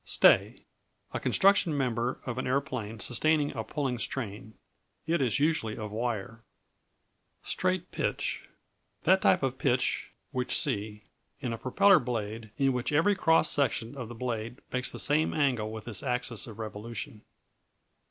Stay A construction member of an aeroplane sustaining a pulling strain. It is usually of wire. Straight Pitch That type of pitch (which see) in a propeller blade in which every cross section of the blade makes the same angle with its axis of revolution.